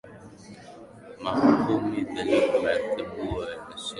ma kumi madhehebu mengi yanashiriki juhudi za ekumeni kwa ajili ya